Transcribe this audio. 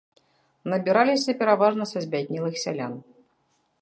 Набіраліся пераважна са збяднелых сялян.